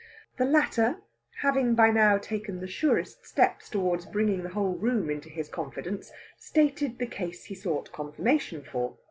The latter, having by now taken the surest steps towards bringing the whole room into his confidence, stated the case he sought confirmation for.